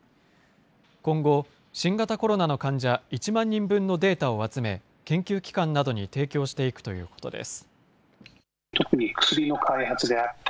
今後、新型コロナの患者１万人分のデータを集め、研究機関などに提供していくということです。